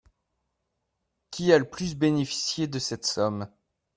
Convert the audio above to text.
Qui a le plus bénéficié de cette somme?